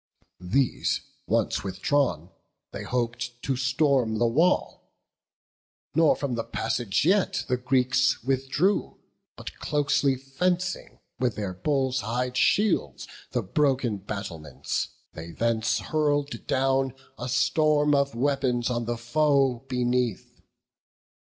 These once withdrawn, they hop'd to storm the wall; Nor from the passage yet the Greeks withdrew, But closely fencing with their bull's hide shields The broken battlements, they thence hurl'd down A storm of weapons on the foe beneath.